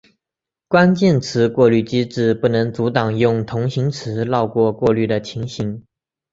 关键词过滤机制不能阻挡用同形词绕过过滤的情形。